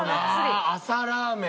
あぁ朝ラーメン。